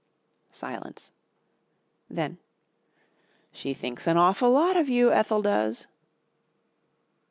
Silence. Then, "She thinks an awful lot of you, Ethel does."